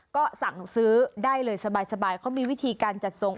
ก็สั่งซื้อได้เลยสบายเขามีวิธีการจัดส่ง